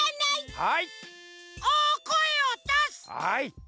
はい！